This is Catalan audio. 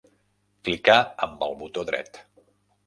Clicar amb el botó dret.